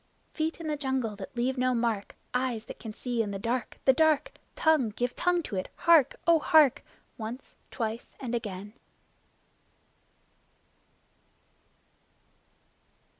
Feet in the jungle that leave no mark! Eyes that can see in the dark the dark! Tongue give tongue to it! Hark! O hark! Once, twice and again!